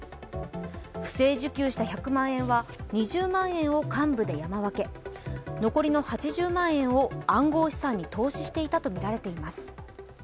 不正受給した１００万円は２０万円を幹部で山分け、残りの８０万円を暗号資産に投資していたとみられています。